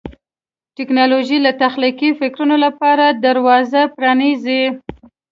ټیکنالوژي د تخلیقي فکرونو لپاره دروازې پرانیزي.